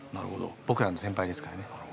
僕らの先輩ですからね。